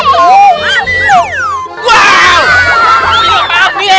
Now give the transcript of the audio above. gimana dia yang takutnya